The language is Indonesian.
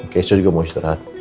kecoh juga mau istirahat